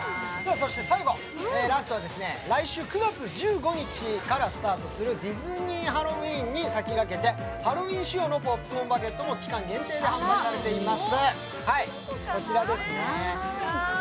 そして最後は、来週９月１５日からスタートする「ディズニー・ハロウィーン」に先駆けてハロウィーン仕様のポップコーンバケットも期間限定で販売されています。